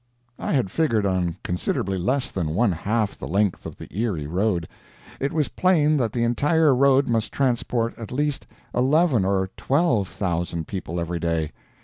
I had figured on considerably less than one half the length of the Erie road. It was plain that the entire road must transport at least eleven or twelve thousand people every day.